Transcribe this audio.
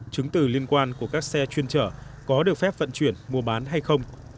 chứng từ liên quan của các xe chuyên chở có được phép vận chuyển mua bán hay không